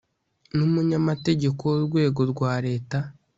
n umunyamategeko w Urwego rwa Leta